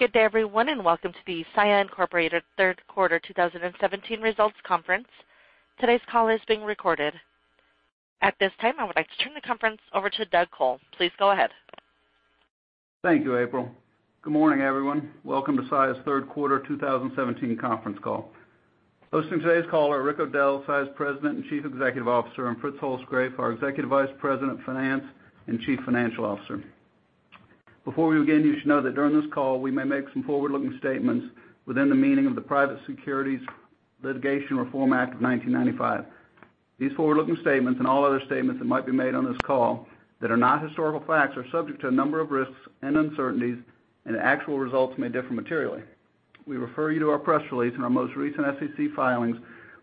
Good day, everyone, and welcome to the Saia Incorporated Third Quarter 2017 Results Conference. Today's call is being recorded. At this time, I would like to turn the conference over to Doug Col. Please go ahead. Thank you, April. Good morning, everyone. Welcome to Saia's third quarter 2017 conference call. Hosting today's call are Rick O'Dell, Saia's President and Chief Executive Officer, and Fritz Holzgrefe, our Executive Vice President of Finance and Chief Financial Officer. Before we begin, you should know that during this call, we may make some forward-looking statements within the meaning of the Private Securities Litigation Reform Act of 1995. These forward-looking statements, and all other statements that might be made on this call that are not historical facts, are subject to a number of risks and uncertainties, and actual results may differ materially. We refer you to our press release and our most recent SEC filings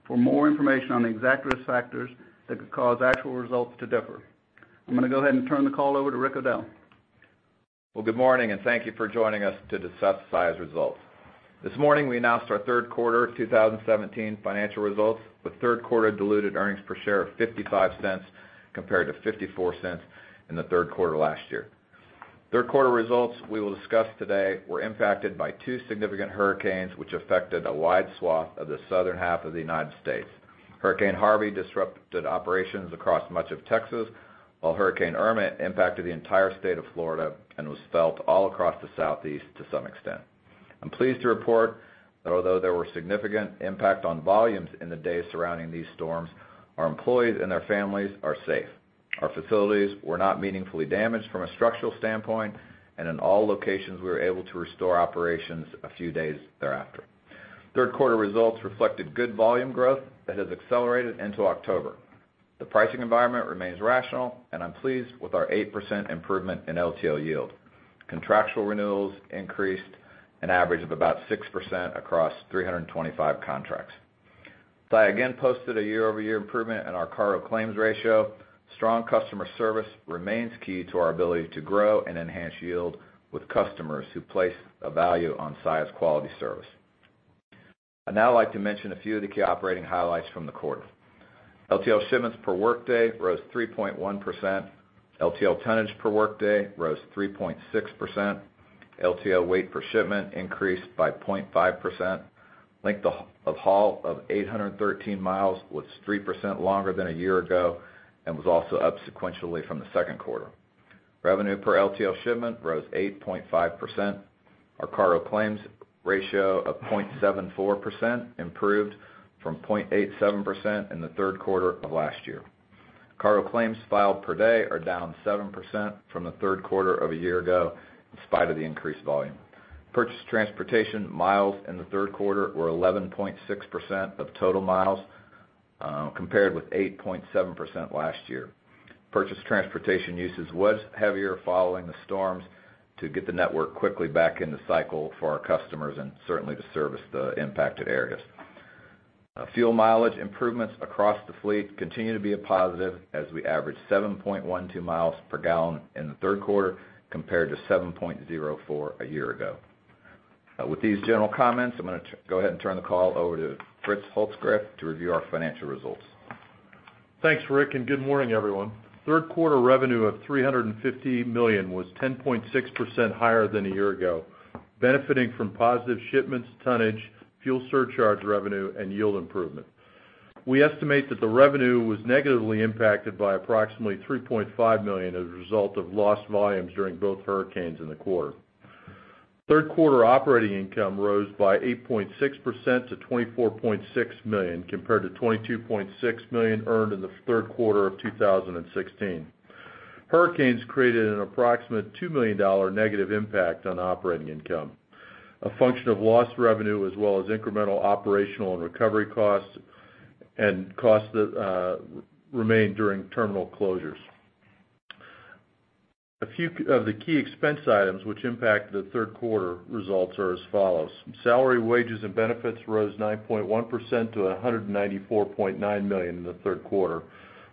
for more information on the exact risk factors that could cause actual results to differ. I'm gonna go ahead and turn the call over to Rick O'Dell. Well, good morning, and thank you for joining us to discuss Saia's results. This morning, we announced our third quarter 2017 financial results, with third quarter diluted earnings per share of $0.55 compared to $0.54 in the third quarter last year. Third quarter results we will discuss today were impacted by two significant hurricanes, which affected a wide swath of the southern half of the United States. Hurricane Harvey disrupted operations across much of Texas, while Hurricane Irma impacted the entire state of Florida and was felt all across the Southeast to some extent. I'm pleased to report that although there were significant impact on volumes in the days surrounding these storms, our employees and their families are safe. Our facilities were not meaningfully damaged from a structural standpoint, and in all locations, we were able to restore operations a few days thereafter. Third quarter results reflected good volume growth that has accelerated into October. The pricing environment remains rational, and I'm pleased with our 8% improvement in LTL yield. Contractual renewals increased an average of about 6% across 325 contracts. Saia again posted a year-over-year improvement in our cargo claims ratio. Strong customer service remains key to our ability to grow and enhance yield with customers who place a value on Saia's quality service. I'd now like to mention a few of the key operating highlights from the quarter. LTL shipments per workday rose 3.1%. LTL tonnage per workday rose 3.6%. LTL weight per shipment increased by 0.5%. Length of haul of 813 miles was 3% longer than a year ago and was also up sequentially from the second quarter. Revenue per LTL shipment rose 8.5%. Our cargo claims ratio of 0.74% improved from 0.87% in the third quarter of last year. Cargo claims filed per day are down 7% from the third quarter of a year ago, in spite of the increased volume. Purchased transportation miles in the third quarter were 11.6% of total miles, compared with 8.7% last year. Purchased transportation usage was heavier following the storms to get the network quickly back in the cycle for our customers and certainly to service the impacted areas. Fuel mileage improvements across the fleet continue to be a positive, as we averaged 7.12 miles per gallon in the third quarter, compared to 7.04 a year ago. With these general comments, I'm gonna go ahead and turn the call over to Fritz Holzgrefe to review our financial results. Thanks, Rick, and good morning, everyone. Third quarter revenue of $350 million was 10.6% higher than a year ago, benefiting from positive shipments, tonnage, fuel surcharge revenue, and yield improvement. We estimate that the revenue was negatively impacted by approximately $3.5 million as a result of lost volumes during both hurricanes in the quarter. Third quarter operating income rose by 8.6% to $24.6 million, compared to $22.6 million earned in the third quarter of 2016. Hurricanes created an approximate $2 million negative impact on operating income, a function of lost revenue, as well as incremental operational and recovery costs and costs that remained during terminal closures. A few of the key expense items which impacted the third quarter results are as follows: Salary, wages, and benefits rose 9.1% to $194.9 million in the third quarter,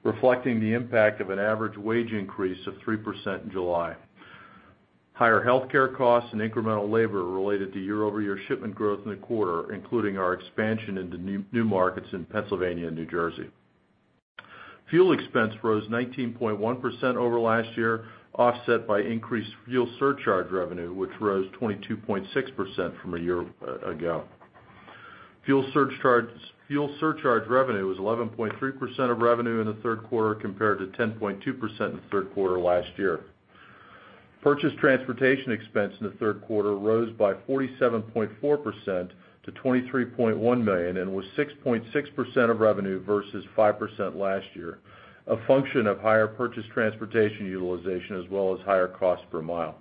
reflecting the impact of an average wage increase of 3% in July. Higher healthcare costs and incremental labor related to year-over-year shipment growth in the quarter, including our expansion into new markets in Pennsylvania and New Jersey. Fuel expense rose 19.1% over last year, offset by increased fuel surcharge revenue, which rose 22.6% from a year ago. Fuel surcharge revenue was 11.3% of revenue in the third quarter, compared to 10.2% in the third quarter last year. Purchase transportation expense in the third quarter rose by 47.4% to $23.1 million, and was 6.6% of revenue versus 5% last year, a function of higher purchase transportation utilization, as well as higher cost per mile.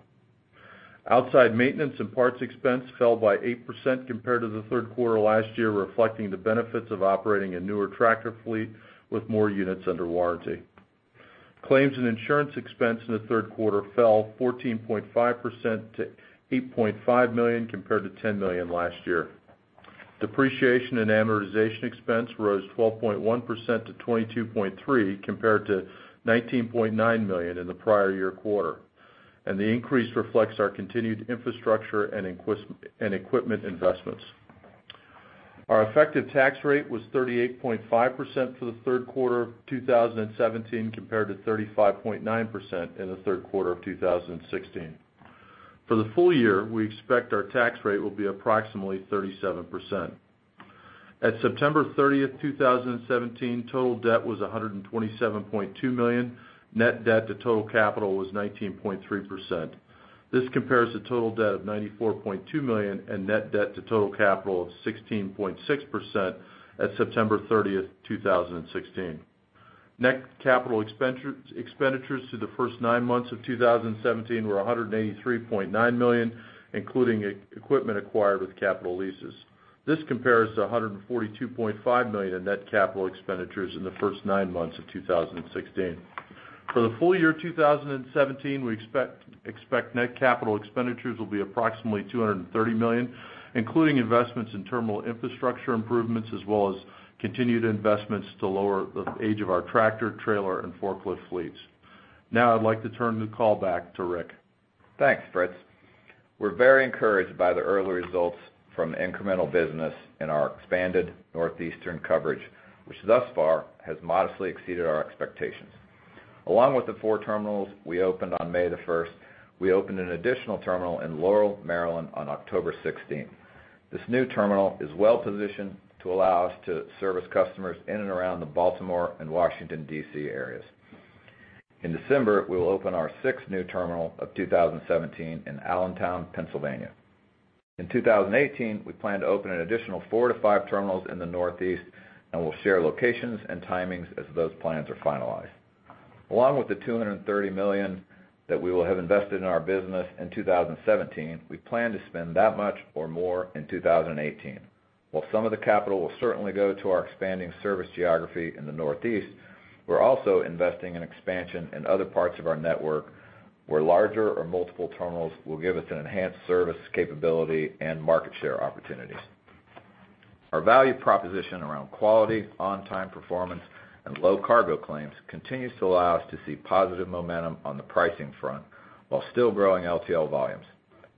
Outside maintenance and parts expense fell by 8% compared to the third quarter last year, reflecting the benefits of operating a newer tractor fleet with more units under warranty. Claims and insurance expense in the third quarter fell 14.5% to $8.5 million, compared to $10 million last year. Depreciation and amortization expense rose 12.1% to $22.3 million, compared to $19.9 million in the prior year quarter, and the increase reflects our continued infrastructure and equipment investments. Our effective tax rate was 38.5% for the third quarter of 2017, compared to 35.9% in the third quarter of 2016. For the full year, we expect our tax rate will be approximately 37%. At September 30, 2017, total debt was $127.2 million. Net debt to total capital was 19.3%. This compares to total debt of $94.2 million and net debt to total capital of 16.6% at September 30, 2016. Net capital expenditures through the first nine months of 2017 were $183.9 million, including equipment acquired with capital leases. This compares to $142.5 million in net capital expenditures in the first nine months of 2016. For the full year 2017, we expect net capital expenditures will be approximately $230 million, including investments in terminal infrastructure improvements, as well as continued investments to lower the age of our tractor, trailer, and forklift fleets. Now I'd like to turn the call back to Rick. Thanks, Fritz. We're very encouraged by the early results from the incremental business in our expanded Northeastern coverage, which thus far, has modestly exceeded our expectations. Along with the four terminals we opened on May 1, we opened an additional terminal in Laurel, Maryland, on October 16. This new terminal is well positioned to allow us to service customers in and around the Baltimore and Washington, D.C., areas. In December, we will open our sixth new terminal of 2017 in Allentown, Pennsylvania. In 2018, we plan to open an additional 4-5 terminals in the Northeast, and we'll share locations and timings as those plans are finalized. Along with the $230 million that we will have invested in our business in 2017, we plan to spend that much or more in 2018. While some of the capital will certainly go to our expanding service geography in the Northeast, we're also investing in expansion in other parts of our network, where larger or multiple terminals will give us an enhanced service capability and market share opportunities. Our value proposition around quality, on-time performance, and low cargo claims continues to allow us to see positive momentum on the pricing front, while still growing LTL volumes.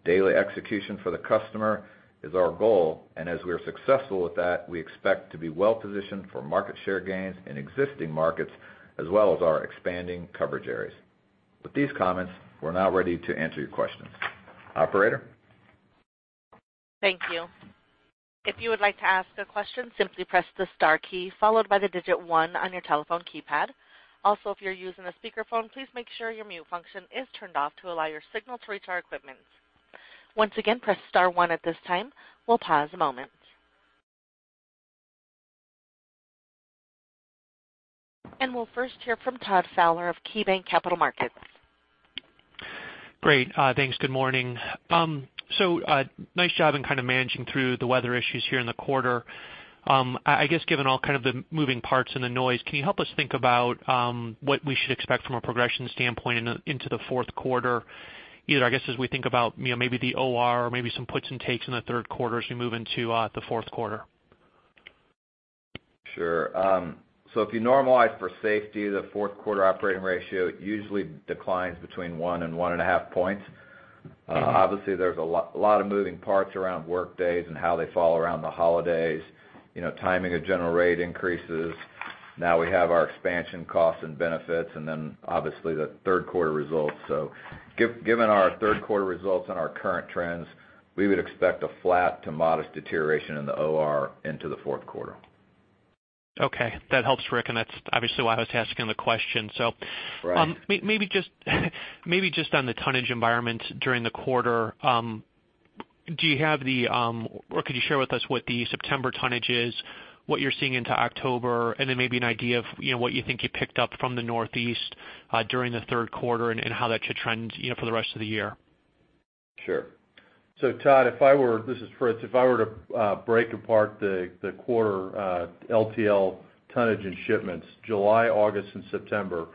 Daily execution for the customer is our goal, and as we are successful with that, we expect to be well positioned for market share gains in existing markets, as well as our expanding coverage areas. With these comments, we're now ready to answer your questions. Operator? Thank you. If you would like to ask a question, simply press the star key, followed by the digit one on your telephone keypad. Also, if you're using a speakerphone, please make sure your mute function is turned off to allow your signal to reach our equipment. Once again, press star one at this time. We'll pause a moment. And we'll first hear from Todd Fowler of KeyBanc Capital Markets. Great. Thanks. Good morning. So, nice job in kind of managing through the weather issues here in the quarter. I guess, given all kind of the moving parts and the noise, can you help us think about what we should expect from a progression standpoint into the fourth quarter? Either, I guess, as we think about, you know, maybe the OR or maybe some puts and takes in the third quarter as we move into the fourth quarter. Sure. So if you normalize for safety, the fourth quarter operating ratio usually declines between 1 and 1.5 points. Obviously, there's a lot, a lot of moving parts around work days and how they fall around the holidays, you know, timing of general rate increases. Now we have our expansion costs and benefits, and then, obviously, the third quarter results. So given our third quarter results and our current trends, we would expect a flat to modest deterioration in the OR into the fourth quarter. Okay. That helps, Rick, and that's obviously why I was asking the question. So- Right. Maybe just on the tonnage environment during the quarter, do you have the or could you share with us what the September tonnage is, what you're seeing into October, and then maybe an idea of, you know, what you think you picked up from the Northeast during the third quarter, and how that should trend, you know, for the rest of the year? Sure. So Todd, if I were... This is Fritz. If I were to break apart the quarter, LTL tonnage and shipments, July, August, and September.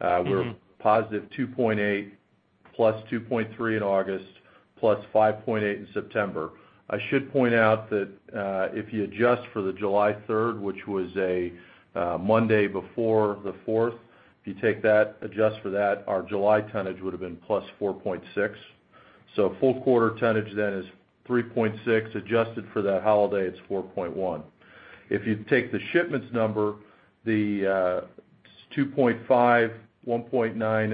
Mm-hmm... we're positive 2.8, +2.3 in August, +5.8 in September. I should point out that, if you adjust for the July third, which was a Monday before the fourth, if you take that, adjust for that, our July tonnage would've been +4.6. So full quarter tonnage then is 3.6. Adjusted for that holiday, it's 4.1. If you take the shipments number, the 2.5, 1.9,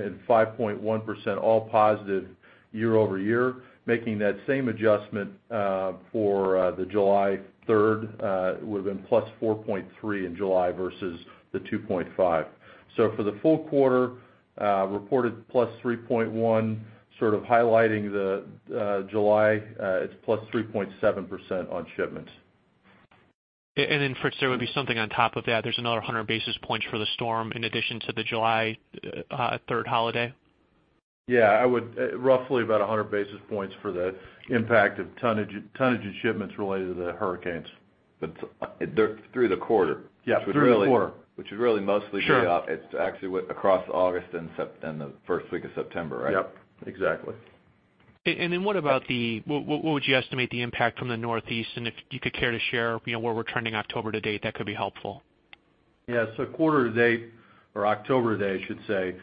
and 5.1%, all positive year-over-year, making that same adjustment for the July third, it would have been +4.3 in July versus the 2.5. So for the full quarter, reported +3.1, sort of highlighting the July, it's +3.7% on shipments. Then, Fritz, there would be something on top of that. There's another 100 basis points for the storm in addition to the July third holiday? Yeah, I would roughly about 100 basis points for the impact of tonnage, tonnage and shipments related to the hurricanes. They're through the quarter. Yes, through the quarter. Which would really, mostly be off- Sure. It's actually across August and September and the first week of September, right? Yep, exactly. And then what about the... What would you estimate the impact from the Northeast? And if you could care to share, you know, where we're trending October to date, that could be helpful.... Yes, so quarter to date, or October to date, I should say,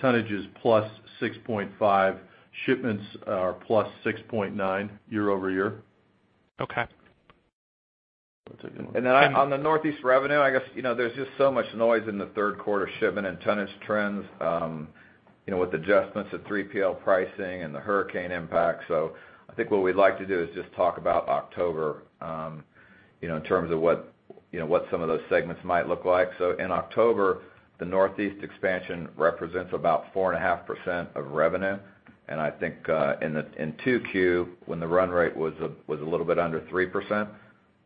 tonnage is +6.5, shipments are +6.9 year-over-year. Okay. On the Northeast revenue, I guess, you know, there's just so much noise in the third quarter shipment and tonnage trends, you know, with adjustments to 3PL pricing and the hurricane impact. So I think what we'd like to do is just talk about October, you know, in terms of what, you know, what some of those segments might look like. So in October, the Northeast expansion represents about 4.5% of revenue, and I think, in 2Q, when the run rate was a little bit under 3%.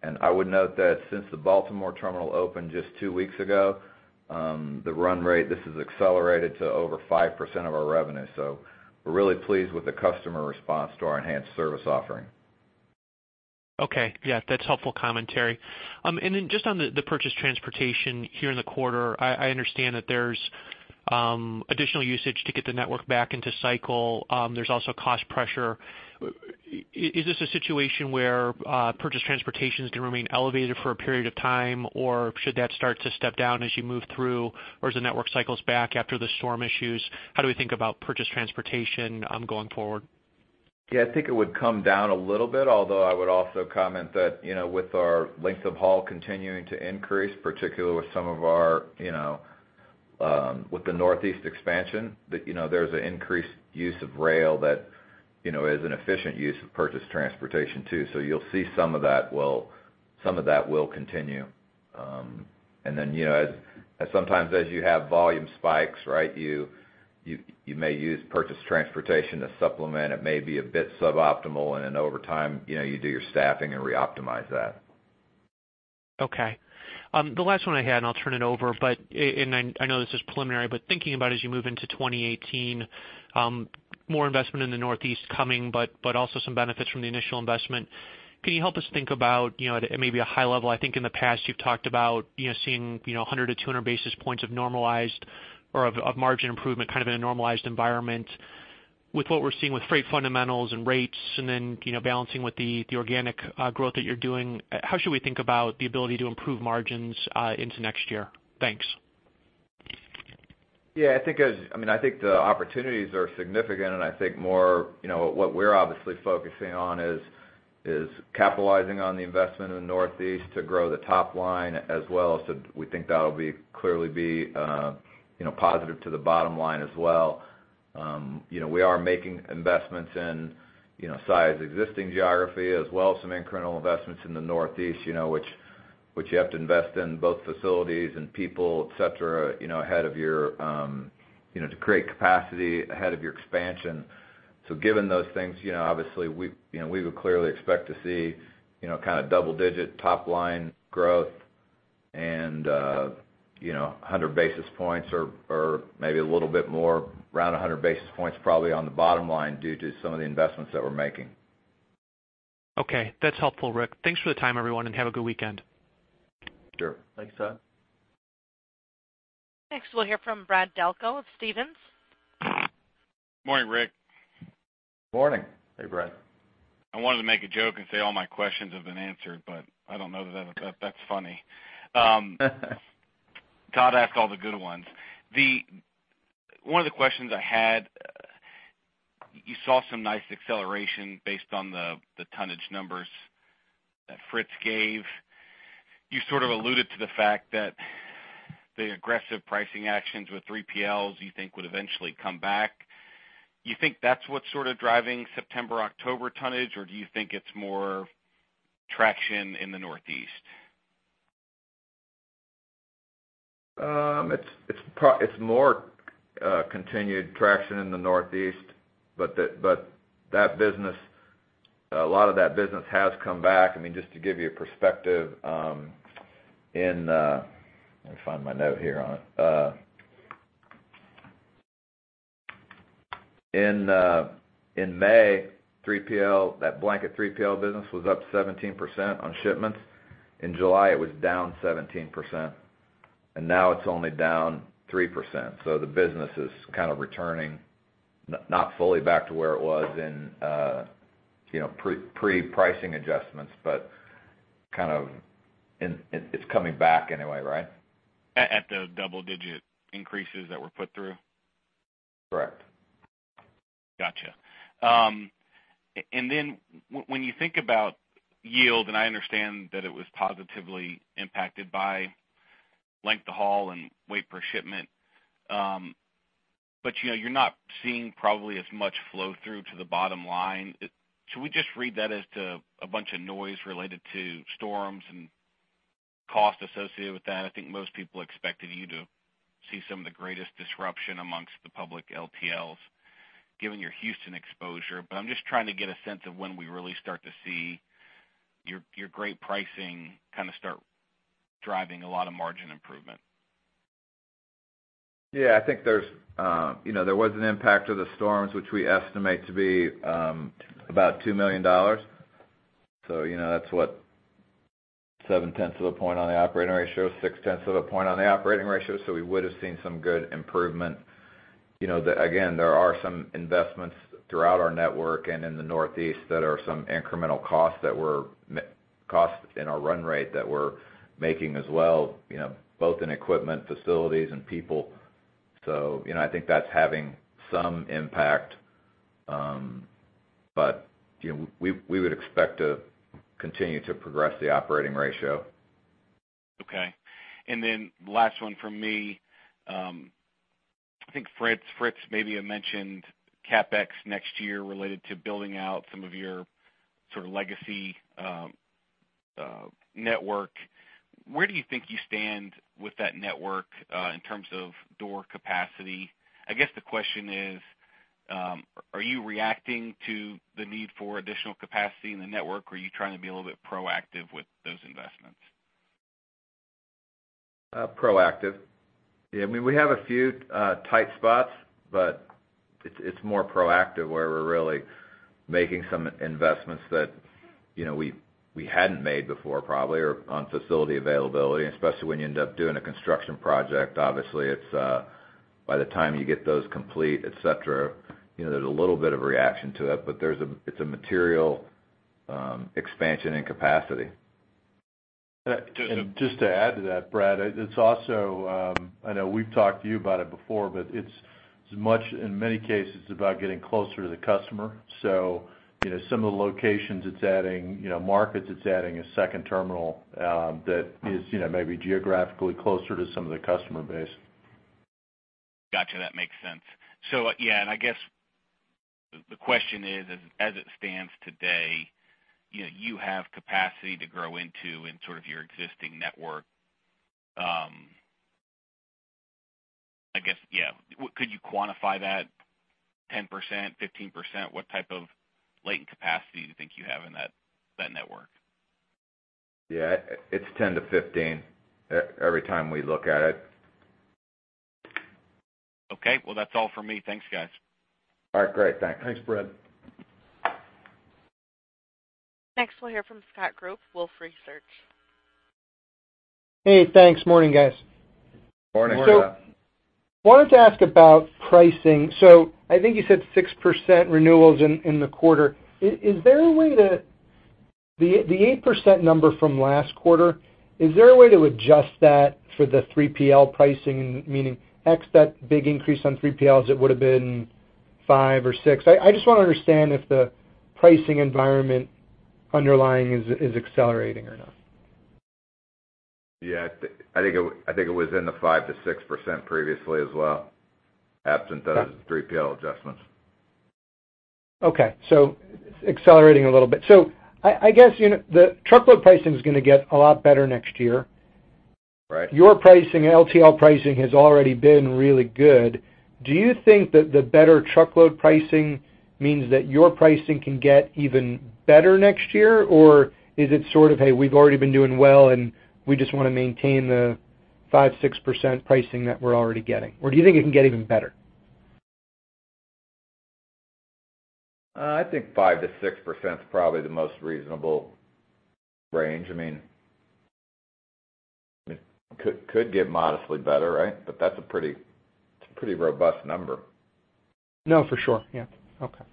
And I would note that since the Baltimore terminal opened just two weeks ago, the run rate this has accelerated to over 5% of our revenue. So we're really pleased with the customer response to our enhanced service offering. Okay. Yeah, that's helpful commentary. And then just on the purchase transportation here in the quarter, I understand that there's additional usage to get the network back into cycle. There's also cost pressure. Is this a situation where purchase transportation is going to remain elevated for a period of time, or should that start to step down as you move through, or as the network cycles back after the storm issues? How do we think about purchase transportation going forward? Yeah, I think it would come down a little bit, although I would also comment that, you know, with our length of haul continuing to increase, particularly with some of our, you know, with the Northeast expansion, that, you know, there's an increased use of rail that, you know, is an efficient use of purchase transportation, too. So you'll see some of that will continue. And then, you know, as sometimes you have volume spikes, right, you may use purchase transportation to supplement. It may be a bit suboptimal, and then over time, you know, you do your staffing and reoptimize that. Okay. The last one I had, and I'll turn it over, but and I know this is preliminary, but thinking about as you move into 2018, more investment in the Northeast coming, but also some benefits from the initial investment. Can you help us think about, you know, at maybe a high level, I think in the past you've talked about, you know, seeing, you know, 100-200 basis points of normalized or of margin improvement, kind of in a normalized environment. With what we're seeing with freight fundamentals and rates, and then, you know, balancing with the organic growth that you're doing, how should we think about the ability to improve margins into next year? Thanks. Yeah, I mean, I think the opportunities are significant, and I think more, you know, what we're obviously focusing on is capitalizing on the investment in the Northeast to grow the top line, as well as to- we think that'll clearly be, you know, positive to the bottom line as well. You know, we are making investments in, you know, size, existing geography, as well as some incremental investments in the Northeast, you know, which you have to invest in both facilities and people, et cetera, you know, ahead of your, you know, to create capacity ahead of your expansion. So given those things, you know, obviously, we, you know, we would clearly expect to see, you know, kind of double digit top line growth and, you know, 100 basis points or, or maybe a little bit more, around 100 basis points, probably on the bottom line due to some of the investments that we're making. Okay. That's helpful, Rick. Thanks for the time, everyone, and have a good weekend. Sure. Thanks, Todd. Next, we'll hear from Brad Delco of Stephens. Good morning, Rick. Morning. Hey, Brad. I wanted to make a joke and say all my questions have been answered, but I don't know that that's funny. Todd asked all the good ones. One of the questions I had, you saw some nice acceleration based on the tonnage numbers that Fritz gave. You sort of alluded to the fact that the aggressive pricing actions with 3PLs, you think would eventually come back. You think that's what's sort of driving September, October tonnage, or do you think it's more traction in the Northeast? It's more continued traction in the Northeast, but that business, a lot of that business has come back. I mean, just to give you a perspective. Let me find my note here on it. In May, 3PL, that blanket 3PL business was up 17% on shipments. In July, it was down 17%, and now it's only down 3%. So the business is kind of returning, not fully back to where it was in, you know, pre-pricing adjustments, but kind of. It's coming back anyway, right? At the double-digit increases that were put through? Correct. Gotcha. And then when you think about yield, and I understand that it was positively impacted by length of haul and weight per shipment, but you know, you're not seeing probably as much flow through to the bottom line. Should we just read that as to a bunch of noise related to storms and cost associated with that? I think most people expected you to see some of the greatest disruption among the public LTLs, given your Houston exposure. But I'm just trying to get a sense of when we really start to see your, your great pricing kind of start driving a lot of margin improvement. Yeah, I think there's, you know, there was an impact of the storms, which we estimate to be about $2 million. So, you know, that's what? 0.7 of a point on the operating ratio, 0.6 of a point on the operating ratio. So we would have seen some good improvement. You know, again, there are some investments throughout our network and in the Northeast that are some incremental costs that we're costs in our run rate that we're making as well, you know, both in equipment, facilities, and people. So, you know, I think that's having some impact. But, you know, we would expect to continue to progress the operating ratio. Okay. And then last one from me. I think Fritz, Fritz, maybe you mentioned CapEx next year related to building out some of your sort of legacy network. Where do you think you stand with that network in terms of door capacity? I guess the question is, are you reacting to the need for additional capacity in the network, or are you trying to be a little bit proactive with those investments? Proactive. Yeah, I mean, we have a few tight spots, but it's, it's more proactive, where we're really making some investments that, you know, we, we hadn't made before, probably, or on facility availability, especially when you end up doing a construction project. Obviously, it's by the time you get those complete, et cetera, you know, there's a little bit of reaction to it, but there's a, it's a material expansion and capacity. Just to add to that, Brad, it's also, I know we've talked to you about it before, but it's much, in many cases, about getting closer to the customer. So, you know, some of the locations, it's adding, you know, markets, it's adding a second terminal, that is, you know, maybe geographically closer to some of the customer base. Gotcha, that makes sense. So, yeah, and I guess the question is, as it stands today, you know, you have capacity to grow into, in sort of your existing network. I guess, yeah, could you quantify that 10%, 15%? What type of latent capacity do you think you have in that network? Yeah, it, it's 10-15 every time we look at it. Okay. Well, that's all for me. Thanks, guys. All right, great. Thanks. Thanks, Brad. Next, we'll hear from Scott Group, Wolfe Research. Hey, thanks. Morning, guys. Morning. Morning. So wanted to ask about pricing. So I think you said 6% renewals in the quarter. Is there a way to... The 8% number from last quarter, is there a way to adjust that for the 3PL pricing, meaning X, that big increase on 3PLs, it would have been 5 or 6? I just want to understand if the pricing environment underlying is accelerating or not. Yeah, I think it was in the 5%-6% previously as well, absent those 3PL adjustments. Okay. So accelerating a little bit. So I, I guess, you know, the truckload pricing is going to get a lot better next year. Right. Your pricing, LTL pricing, has already been really good. Do you think that the better truckload pricing means that your pricing can get even better next year, or is it sort of, "Hey, we've already been doing well, and we just want to maintain the 5%-6% pricing that we're already getting?" Or do you think it can get even better? I think 5%-6% is probably the most reasonable range. I mean, it could get modestly better, right? But that's a pretty, pretty robust number. No, for sure. Yeah. Okay.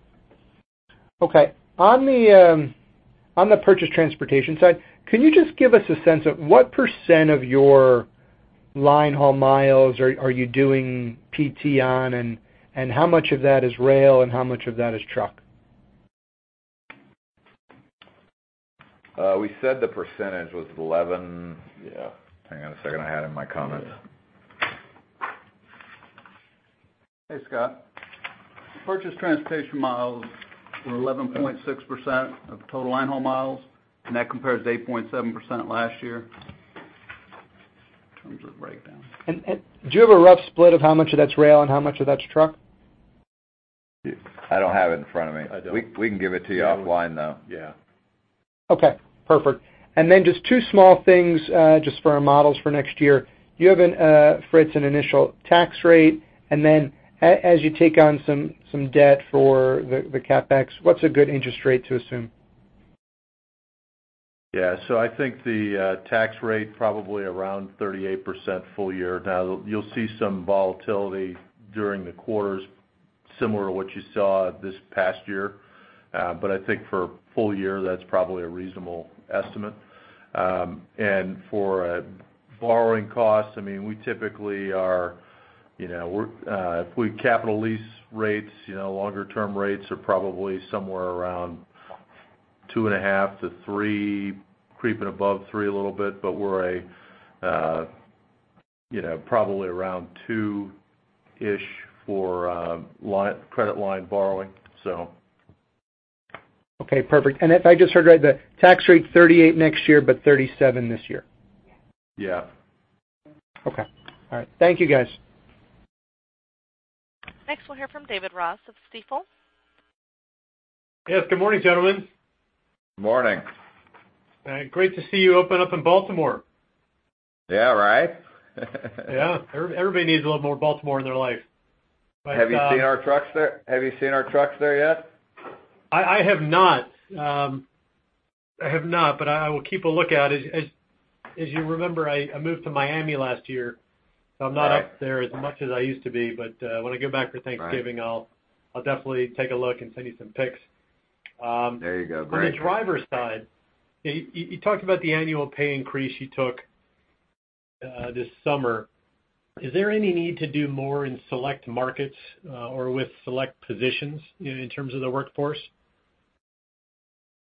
Okay, on the purchase transportation side, can you just give us a sense of what % of your linehaul miles are you doing PT on, and how much of that is rail and how much of that is truck? We said the percentage was 11%- Yeah. Hang on a second. I had it in my comments. Hey, Scott. Purchase transportation miles were 11.6% of total linehaul miles, and that compares to 8.7% last year. In terms of breakdown. And do you have a rough split of how much of that's rail and how much of that's truck? I don't have it in front of me. I don't. We can give it to you offline, though. Yeah. Okay, perfect. And then just two small things just for our models for next year. Do you have an initial tax rate, Fritz? And then as you take on some debt for the CapEx, what's a good interest rate to assume? Yeah. So I think the tax rate probably around 38% full year. Now, you'll see some volatility during the quarters, similar to what you saw this past year. But I think for a full year, that's probably a reasonable estimate. And for a borrowing cost, I mean, we typically are, you know, our capital lease rates, you know, longer-term rates are probably somewhere around 2.5-3, creeping above 3 a little bit, but we're at, you know, probably around 2-ish for line of credit borrowing, so. Okay, perfect. And if I just heard right, the tax rate 38% next year, but 37% this year? Yeah. Okay. All right. Thank you, guys. Next, we'll hear from David Ross of Stifel. Yes, good morning, gentlemen. Morning. Great to see you open up in Baltimore. Yeah, right? Yeah. Everybody needs a little more Baltimore in their life. But- Have you seen our trucks there? Have you seen our trucks there yet? I have not. I have not, but I will keep a look out. As you remember, I moved to Miami last year, so I'm not up there as much as I used to be. But when I go back for Thanksgiving- Right. I'll definitely take a look and send you some pics. There you go. Great. On the driver side, you talked about the annual pay increase you took this summer. Is there any need to do more in select markets or with select positions in terms of the workforce?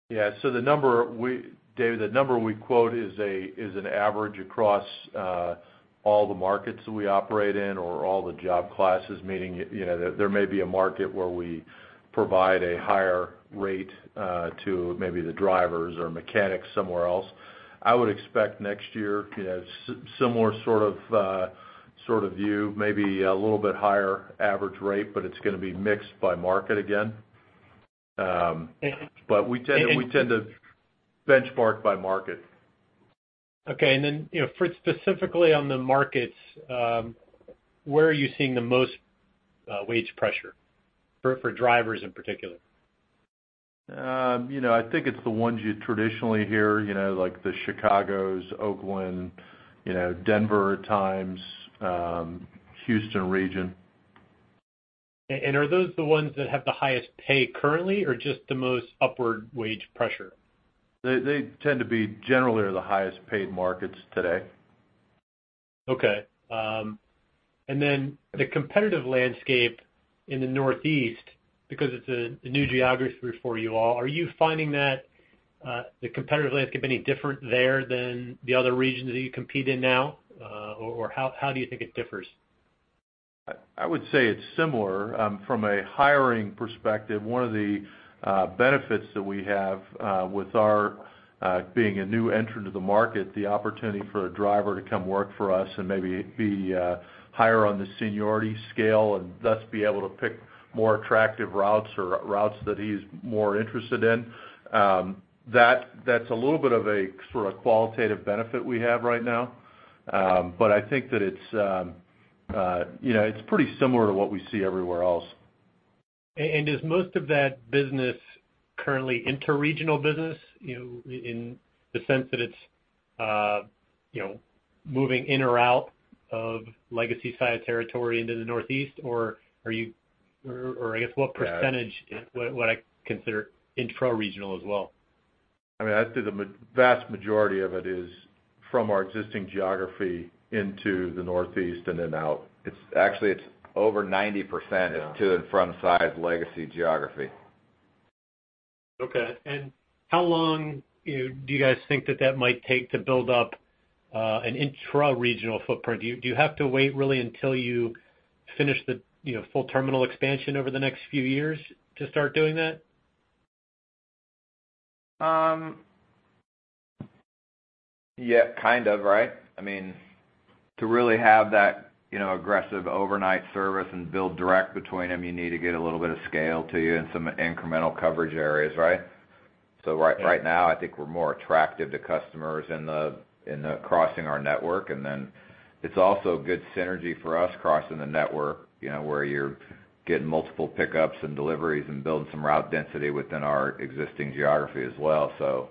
Yeah, so the number we, David, the number we quote is an average across all the markets that we operate in or all the job classes, meaning, you know, there, there may be a market where we provide a higher rate to maybe the drivers or mechanics somewhere else. I would expect next year, you know, similar sort of sort of view, maybe a little bit higher average rate, but it's gonna be mixed by market again. But we tend to, we tend to benchmark by market. Okay. And then, you know, for specifically on the markets, where are you seeing the most wage pressure for drivers in particular? You know, I think it's the ones you traditionally hear, you know, like the Chicagos, Oakland, you know, Denver at times, Houston region. Are those the ones that have the highest pay currently, or just the most upward wage pressure? They tend to be generally are the highest paid markets today. Okay. And then the competitive landscape in the Northeast, because it's a new geography for you all, are you finding that the competitive landscape any different there than the other regions that you compete in now? Or how do you think it differs? I would say it's similar. From a hiring perspective, one of the benefits that we have with our being a new entrant to the market, the opportunity for a driver to come work for us and maybe be higher on the seniority scale, and thus be able to pick more attractive routes or routes that he's more interested in, that that's a little bit of a sort of qualitative benefit we have right now. But I think that it's, you know, it's pretty similar to what we see everywhere else. And is most of that business currently interregional business, you know, in the sense that it's, you know, moving in or out of legacy Saia territory into the Northeast? Or are you... Or, I guess, what percentage- Yeah what I consider intraregional as well? I mean, I'd say the vast majority of it is from our existing geography into the Northeast and then out. It's actually, it's over 90%-Yeah-to and from Saia legacy geography. Okay. How long, you know, do you guys think that that might take to build up an intraregional footprint? Do you have to wait really until you finish the, you know, full terminal expansion over the next few years to start doing that? Yeah, kind of, right? I mean, to really have that, you know, aggressive overnight service and build direct between them, you need to get a little bit of scale to you and some incremental coverage areas, right? So right, right now, I think we're more attractive to customers in the, in the crossing our network. And then it's also good synergy for us crossing the network, you know, where you're getting multiple pickups and deliveries and building some route density within our existing geography as well. So,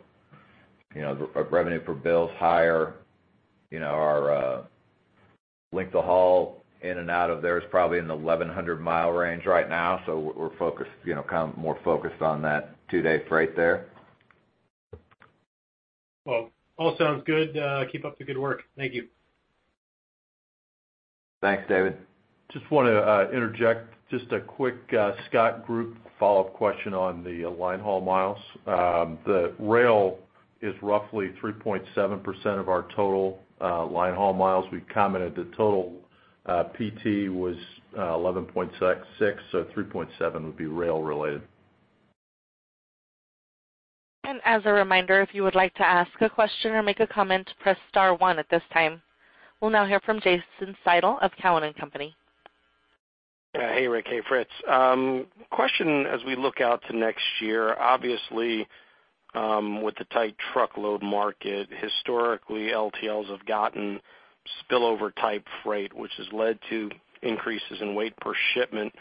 you know, our revenue per bill is higher. You know, our length of haul in and out of there is probably in the 1,100-mile range right now, so we're, we're focused, you know, kind of more focused on that two-day freight there. Well, all sounds good. Keep up the good work. Thank you. Thanks, David. Just wanna interject. Just a quick Scott Group follow-up question on the linehaul miles. The rail is roughly 3.7% of our total linehaul miles. We commented the total PT was 11.6, so 3.7 would be rail-related. As a reminder, if you would like to ask a question or make a comment, press star one at this time. We'll now hear from Jason Seidl of Cowen and Company. Yeah. Hey, Rick. Hey, Fritz. Question as we look out to next year, obviously, with the tight truckload market, historically, LTLs have gotten spillover type freight, which has led to increases in weight per shipment.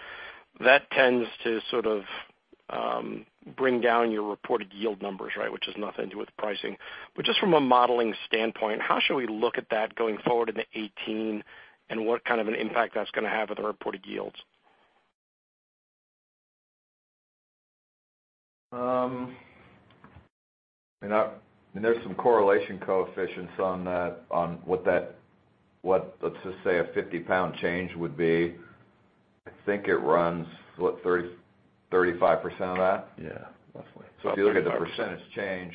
That tends to sort of bring down your reported yield numbers, right? Which has nothing to do with pricing. But just from a modeling standpoint, how should we look at that going forward into 2018, and what kind of an impact that's gonna have with the reported yields? There's some correlation coefficients on that, on what let's just say a 50-pound change would be. I think it runs 30-35% of that? Yeah, roughly. So if you look at the percentage change,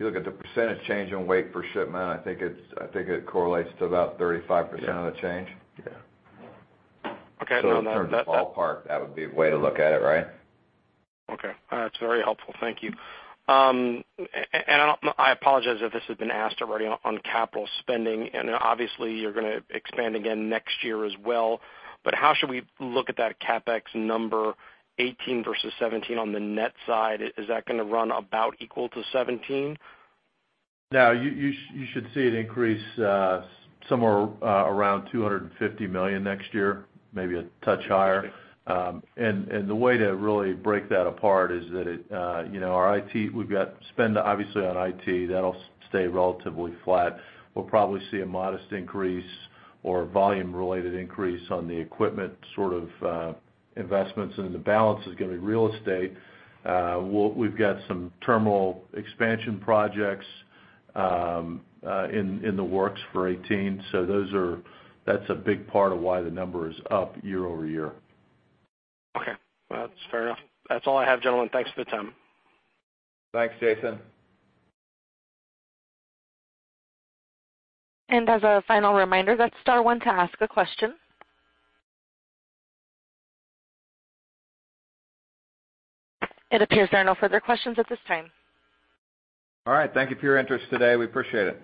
if you look at the percentage change in weight per shipment, I think it correlates to about 35%. Yeah, of the change. Yeah. Okay, now that, In terms of ballpark, that would be a way to look at it, right? Okay. It's very helpful. Thank you. I apologize if this has been asked already on capital spending, and obviously, you're gonna expand again next year as well, but how should we look at that CapEx number, 18 versus 17, on the net side? Is that gonna run about equal to 17? Now, you should see it increase somewhere around $250 million next year, maybe a touch higher. And the way to really break that apart is that it, you know, our IT, we've got spend, obviously, on IT, that'll stay relatively flat. We'll probably see a modest increase or volume-related increase on the equipment sort of investments, and the balance is gonna be real estate. We'll, we've got some terminal expansion projects in the works for 2018, so those are. That's a big part of why the number is up year-over-year. Okay. Well, that's fair enough. That's all I have, gentlemen. Thanks for the time. Thanks, Jason. As a final reminder, that's star one to ask a question. It appears there are no further questions at this time. All right. Thank you for your interest today. We appreciate it.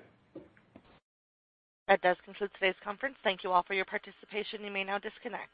That does conclude today's conference. Thank you all for your participation. You may now disconnect.